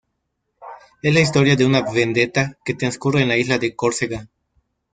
Es la historia de una vendetta que transcurre en la isla de Córcega.